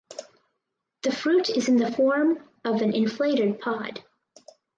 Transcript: The fruit is in the form of an inflated pod.